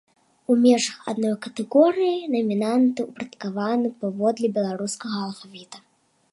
У межах адной катэгорыі намінанты ўпарадкаваны паводле беларускага алфавіта.